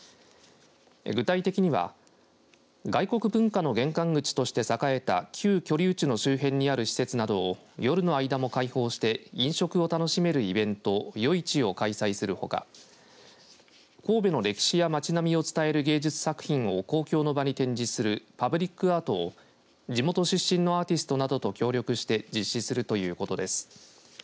具体的には外国文化の玄関口として栄えた旧居留地の周辺にある施設などを夜の間も開放して飲食を楽しめるイベント夜市を開催するほか神戸の歴史や町並みを伝える芸術作品を公共の場に展示するパブリックアートを地元出身のアーティストなどと協力して実施するということです。